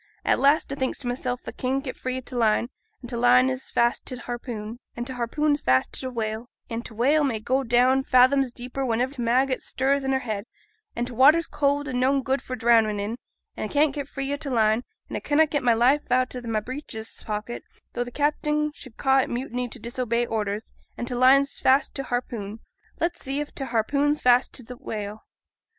At last a thinks to mysel' a can't get free o' t' line, and t' line is fast to t' harpoon, and t' harpoon is fast to t' whale; and t' whale may go down fathoms deep wheniver t' maggot stirs i' her head; an' t' watter's cold, an noane good for drownin' in; a can't get free o' t' line, and a connot get my knife out o' my breeches pocket though t' captain should ca' it mutiny to disobey orders, and t' line's fast to t' harpoon let's see if t' harpoon's fast to t' whale.